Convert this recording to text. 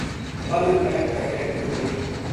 پل پے پے کے ڈھیر ہو گئی